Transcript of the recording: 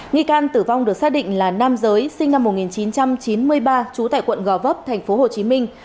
nghị can tử vong được xác định là nam giới sinh năm một nghìn chín trăm chín mươi ba chú tại quận gò vấp tp hồ chí minh